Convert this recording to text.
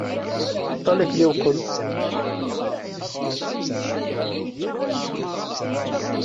Ṭṭal akken iqwem!